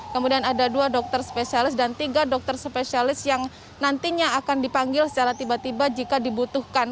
kemudian ada dua dokter spesialis dan tiga dokter spesialis yang nantinya akan dipanggil secara tiba tiba jika dibutuhkan